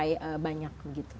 bisa sampai banyak